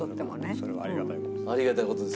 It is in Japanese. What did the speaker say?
それはありがたい事です。